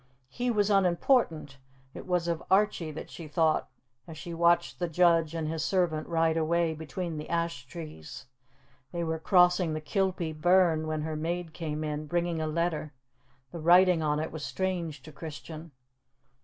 He was unimportant. It was of Archie that she thought as she watched the judge and his servant ride away between the ash trees. They were crossing the Kilpie burn when her maid came in, bringing a letter. The writing on it was strange to Christian.